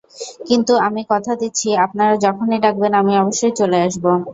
কিন্তু আমি কথা দিচ্ছি, আপনারা যখনই ডাকবেন, আমি অবশ্যই চলে আসব।